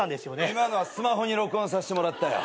今のはスマホに録音させてもらったよ。